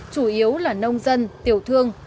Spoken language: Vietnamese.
chủ yếu là nông dân tiểu thương